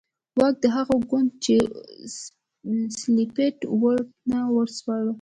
واک د هغه ګوند چې سلپيپ وو ته وسپاره.